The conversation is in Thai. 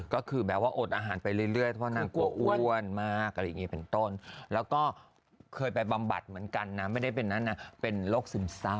ก็คือแบบว่าอดอาหารไปเรื่อยเพราะนางกลัวอ้วนมากอะไรอย่างนี้เป็นต้นแล้วก็เคยไปบำบัดเหมือนกันนะไม่ได้เป็นนั้นนะเป็นโรคซึมเศร้า